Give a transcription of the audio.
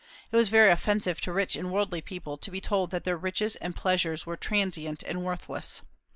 It was very offensive to rich and worldly people to be told that their riches and pleasures were transient and worthless.